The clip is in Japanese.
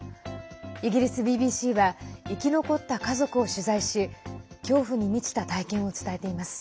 イギリスＢＢＣは生き残った家族を取材し恐怖に満ちた体験を伝えています。